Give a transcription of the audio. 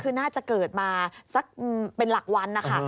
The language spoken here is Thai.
คือน่าจะเกิดมาสักเป็นหลักวันนะคะ